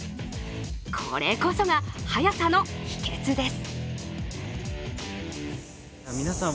これこそが速さの秘けつです。